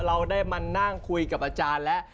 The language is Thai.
เราได้มานั่งคุยกับอาจารย์แล้ว